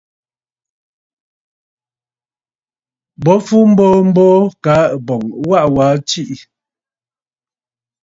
Bo fu mboo mboo, kaa ɨ̀bɔ̀ŋ ɨ waʼa waa tiʼì.